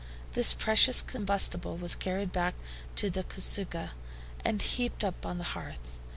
This precious combustible was carried back to the CASUCHA and heaped up on the hearth.